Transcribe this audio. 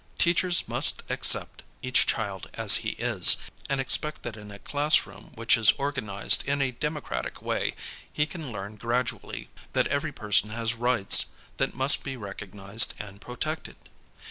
Teachers must accept each child as he is, and expect that in a classroom which is organized in a democratic way, he can learn gradually that every person has rights that must be recognized and protected.